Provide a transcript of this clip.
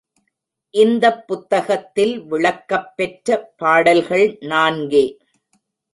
இந்தப் புத்தகத்தில் விளக்கப் பெற்ற பாடல்கள் நான்கே.